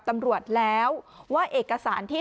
ตำรวจแล้วว่าเอกสารที่